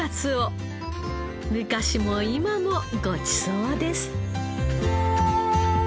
昔も今もごちそうです。